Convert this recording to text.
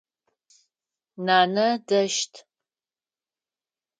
Нанэ дэщт.